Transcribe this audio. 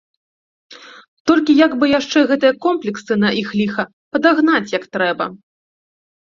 Толькі як бы яшчэ гэтыя комплексы, на іх ліха, падагнаць, як трэба.